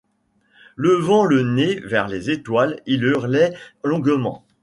Levant le nez vers les étoiles, il hurlait longuement.